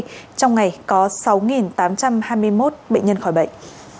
trong ngày có sáu tám trăm hai mươi một bệnh nhân khỏi bệnh